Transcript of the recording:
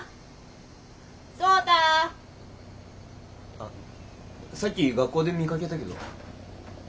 あさっき学校で見かけたけど。